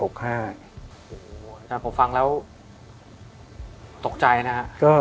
ผมฟังแล้วตกใจนะ